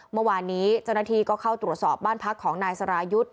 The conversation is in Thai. เมื่อวานนี้เจ้าหน้าที่ก็เข้าตรวจสอบบ้านพักของนายสรายุทธ์